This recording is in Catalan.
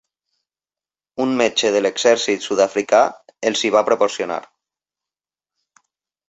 Un metge de l'exèrcit sud-africà els hi va proporcionar.